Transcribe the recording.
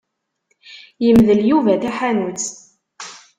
Yemdel Yuba taḥanut.